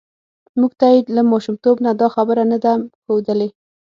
موږ ته یې له ماشومتوب نه دا خبره نه ده ښودلې